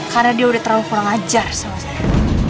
karena dia udah terlalu kurang ajar sama saya